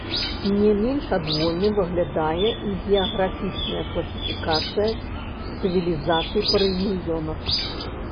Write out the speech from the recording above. Не менш адвольнай выглядае і геаграфічная класіфікацыя цывілізацый па рэгіёнах.